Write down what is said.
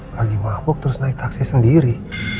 lagi mabuk terus naik taksi sendiri